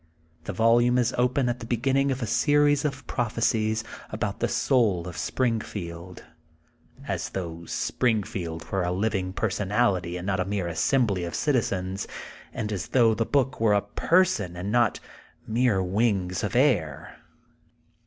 The volume is open at the begin ning of a series of prophecies about the soul of Springfield, as though Springfield were a living personality and not a mere assembly of citizens, and as though the book were a per son, and not mere wings of air.